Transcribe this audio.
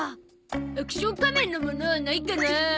アクション仮面のものないかな？